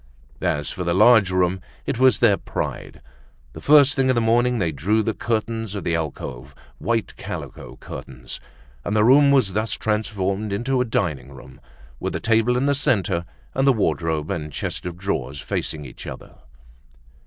As for the large room, it was their pride. The first thing in the morning, they drew the curtains of the alcove, white calico curtains; and the room was thus transformed into a dining room, with the table in the centre, and the wardrobe and chest of drawers facing each other.